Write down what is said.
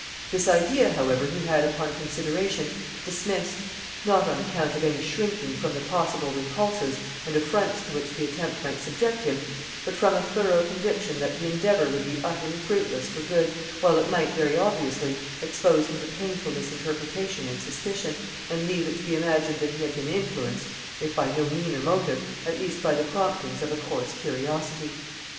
This idea, however, he had, upon consideration, dismissed; not on account of any shrinking from the possible repulses and affronts to which the attempt might subject him, but from a thorough conviction that the endeavor would be utterly fruitless for good, while it might, very obviously, expose him to painful misinterpretation and suspicion, and leave it to be imagined that he had been influenced, if by no meaner motive, at least by the promptings of a coarse curiosity.